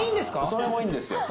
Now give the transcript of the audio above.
それもいいんですよ。